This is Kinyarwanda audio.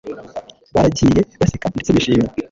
Baragiye baseka ndetse bishimye